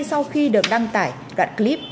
sau khi được đăng tải đoạn clip